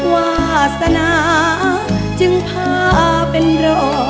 วาสนาจึงพาเป็นรอ